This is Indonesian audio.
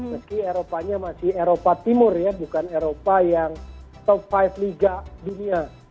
meski eropanya masih eropa timur ya bukan eropa yang top lima liga dunia